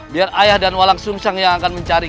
biar ayah dan walang sumseng yang akan mencari